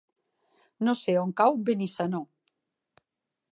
No sé on cau Benissanó.